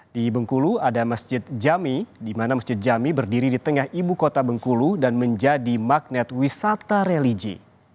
di bengkulu ada masjid jami di mana masjid jami berdiri di tengah ibu kota bengkulu dan menjadi magnet wisata religi